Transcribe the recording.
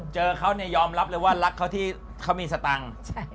เจอเขาเนี่ยยอมรับเลยว่ารักเขาที่เขามีสตังค์